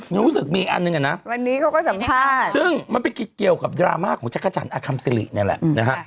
และนี้เขาก็สัมภาษณ์ซึ่งมันไปรบสำคัญเกี่ยวกับดราม่าของเจริญอัคลัมท์ซารีอยู่ด้วยวันนี้นะครับ